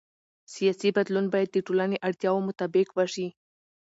سیاسي بدلون باید د ټولنې اړتیاوو مطابق وشي